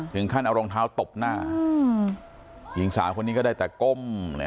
ท่านเอารองเท้าตบหน้าหญิงสาวคนนี้ก็ได้แต่ก้ม